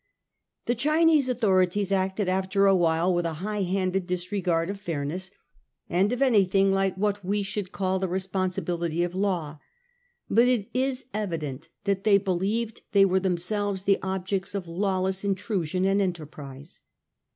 The Chinese authorities acted after a while with a high handed disregard of fairness, and of anything like what we should call the responsibility of law ; but it is evident that they believed they were themselves the objects of lawless intrusion and enterprise.